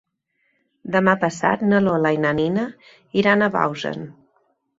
Demà passat na Lola i na Nina iran a Bausen.